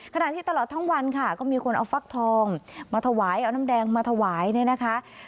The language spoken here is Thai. ขณะที่ตลอดทั้งวันค่ะก็มีคนเอาฟักทองมาถวายเอาน้ำแดงมาถวายเนี่ยนะคะ